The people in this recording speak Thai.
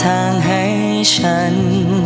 ทางให้ฉัน